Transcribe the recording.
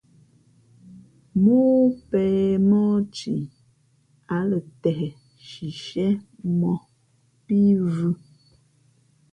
̀mōō pě mōh thi, ǎ lα tēh shishiēmōh pí vhʉ̄.